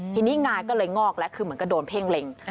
ทีนี้งาก็เลยงอกแล้วคือเหมือนก็โดนเพ่งเล็ง